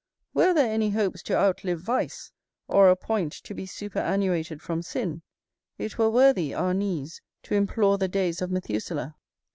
Were there any hopes to outlive vice, or a point to be superannuated from sin, it were worthy our knees to implore the days of Methuselah.